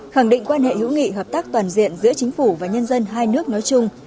khẳng định quan hệ hữu nghị hợp tác toàn diện giữa chính phủ và nhân dân hai nước nói chung